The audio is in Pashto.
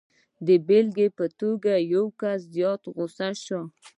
د بېلګې په توګه که یو کس زیات غسه شي